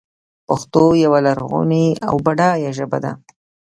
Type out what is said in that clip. پښتو یوه لرغونې او بډایه ژبه ده.